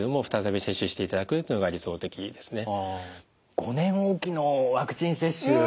５年おきのワクチン接種。